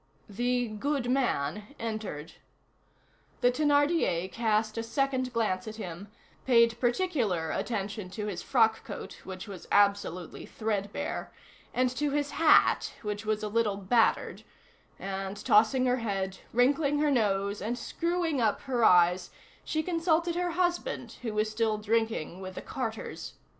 The "good man" entered. The Thénardier cast a second glance at him, paid particular attention to his frock coat, which was absolutely threadbare, and to his hat, which was a little battered, and, tossing her head, wrinkling her nose, and screwing up her eyes, she consulted her husband, who was still drinking with the carters.